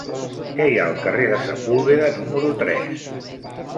Què hi ha al carrer de Sepúlveda número tres?